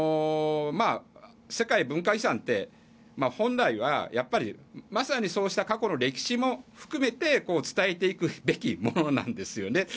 世界文化遺産って本来は、まさにそうした過去の歴史も含めて伝えていくべきものなんですよね。